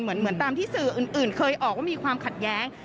เหมือนตามที่สื่ออื่นเคยออกว่ามีความขัดแย้ง